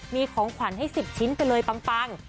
มีของขวัญให้๑๐ชิ้นไปเลยปัง